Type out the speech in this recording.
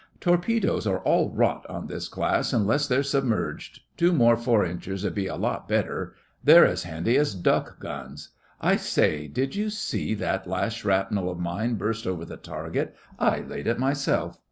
'Torpedoes are all rot on this class unless they're submerged. Two more four inchers 'ud be a lot better. They're as handy as duck guns. I say, did you see that last shrapnel of mine burst over the target? I laid it myself.